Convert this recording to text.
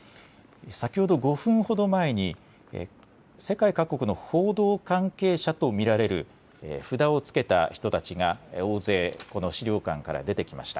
先ほど５分ほど前に世界各国の報道関係者と見られる札をつけた人たちが大勢、資料館から出てきました。